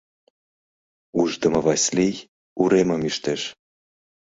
Ушдымо Васлий уремым ӱштеш.